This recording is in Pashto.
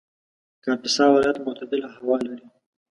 کاپیسا ولایت معتدله هوا لري